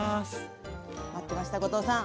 待ってました後藤さん！